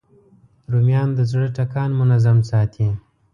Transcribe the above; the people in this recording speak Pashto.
رومیان د زړه ټکان منظم ساتي